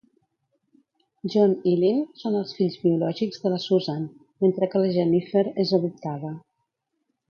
John i Lynn són els fills biològics de la Susan, mentre que la Jennifer és adoptada.